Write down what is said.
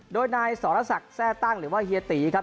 โดยนายสรศักดิ์แทร่ตั้งหรือว่าเฮียตีครับ